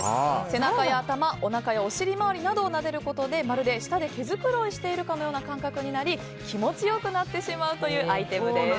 背中や頭、おなかやお尻周りなどをなでることでまるで舌で毛づくろいをしているかのような感覚になり気持ちよくなってしまうというアイテムです。